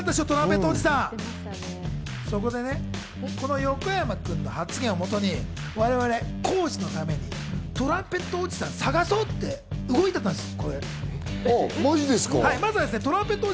そこで、この横山君の発言をもとに、我々、浩次のためにトランペットおじさんを探そうと動いたのよ。